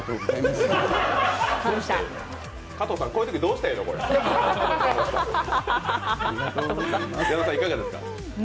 加藤さん、こういうときどうしたらええの？